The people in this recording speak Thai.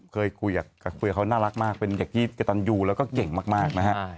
คุยกับเขาน่ารักมากเป็นเด็กยีสเก็ตอนยูแล้วก็เย่งมาก